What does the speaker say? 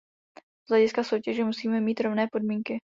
Z hlediska soutěže musíme mít rovné podmínky.